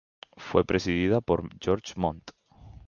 Fue presidida por Jorge Montt.